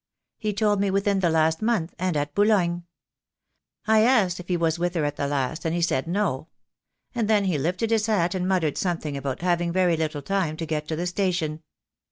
He told me within the last month, and at Boulogne. I asked if he was with her at the last, and he said no; and then 264 THE DAY WILT, COME. he lifted his hat and muttered something about having very little time to get to the station.